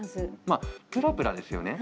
まあプラプラですよね。